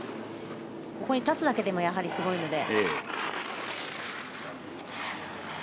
ここに立つだけでもすごいので。